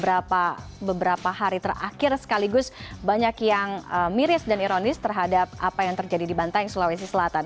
beberapa hari terakhir sekaligus banyak yang miris dan ironis terhadap apa yang terjadi di bantai sulawesi selatan